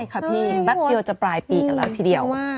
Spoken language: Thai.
ค่ะพี่แป๊บเดียวจะปลายปีกันแล้วทีเดียว